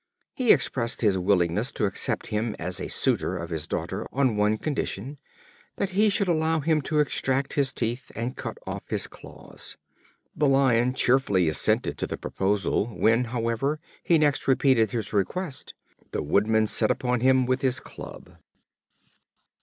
He expressed his willingness to accept him as the suitor of his daughter on one condition; that he should allow him to extract his teeth, and cut off his claws. The Lion cheerfully assented to the proposal: when, however, he next repeated his request, the woodman set upon him with his club.